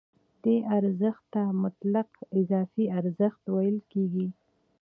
دې ارزښت ته مطلق اضافي ارزښت ویل کېږي